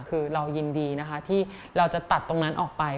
คือเรายินดีนะคะที่เราจะตัดตรงนั้นออกไป